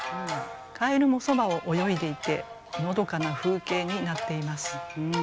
蛙もそばを泳いでいてのどかな風景になっています。